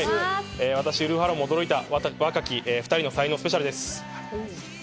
私、ウルフ・アロンも驚いた若き２人の才能スペシャルです。